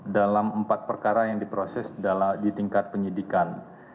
dalam empat perkara yang diproses di tingkat penyidikan